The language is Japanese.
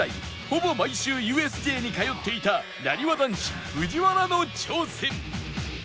ほぼ毎週 ＵＳＪ に通っていたなにわ男子藤原の挑戦